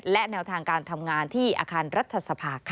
และแนวทางการทำงานที่อาคารรัฐสภาค่ะ